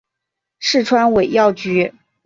四川尾药菊